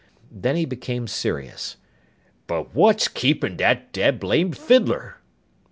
Then he became serious. "But what's keepin' that dad blamed fiddler?"